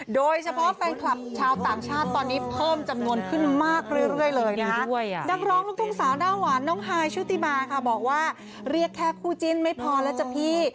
โดยเฉพาะแฟนคลับชาวต่างชาติตอนนี้เพิ่มจำนวนขึ้นมากเรื่อยเลยนะคะนักร้องลูกทุ่งสาวหน้าหวานน้องฮายชุติมาค่ะบอกว่าเรียกแค่คู่จิ้นไม่พอแล้วจ้ะพี่